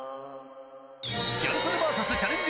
ギャル曽根ｖｓチャレンジ